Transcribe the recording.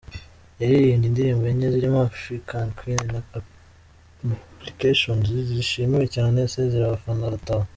Yaririmbye indirimbo enye zirimo ‘African Queen’ na ‘Implication’ zishimiwe cyane asezera abafana arataha.